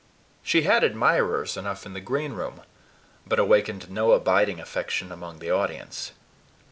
She had admirers enough in the greenroom, but awakened no abiding affection among the audience.